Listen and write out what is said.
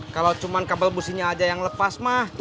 kalo cuman kabel businya aja yang lepas mah